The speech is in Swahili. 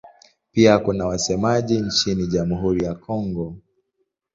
Pia kuna wasemaji nchini Jamhuri ya Kongo.